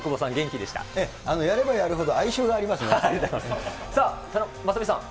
やればやるほど哀愁がありまさあ、雅美さん。